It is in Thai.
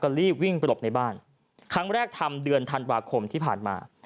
รีบวิ่งไปหลบในบ้านครั้งแรกทำเดือนธันวาคมที่ผ่านมา